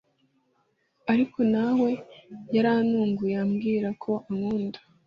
ariko nawe yarantunguye ambwira ko ankunda…